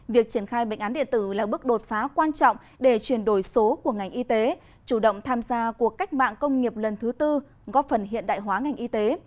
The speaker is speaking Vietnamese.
việc triển khai bệnh án điện tử là bước đột phá quan trọng để chuyển đổi số của ngành y tế chủ động tham gia cuộc cách mạng công nghiệp lần thứ tư góp phần hiện đại hóa ngành y tế